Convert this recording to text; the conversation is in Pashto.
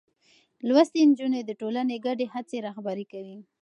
لوستې نجونې د ټولنې ګډې هڅې رهبري کوي.